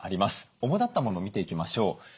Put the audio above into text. おもだったものを見ていきましょう。